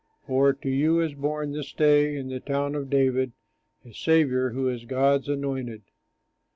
For to you is born this day in the town of David A Saviour who is God's Anointed.